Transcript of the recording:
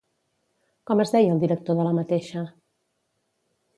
Com es deia el director de la mateixa?